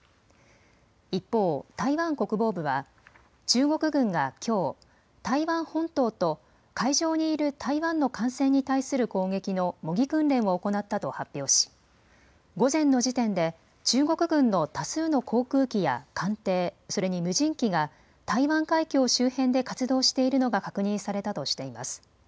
一方、台湾国防部は中国軍がきょう台湾本島と海上にいる台湾の艦船に対する攻撃の模擬訓練を行ったと発表し午前の時点で中国軍の多数の航空機や艦艇、それに無人機が台湾海峡周辺で活動しているのが確認されたとしています。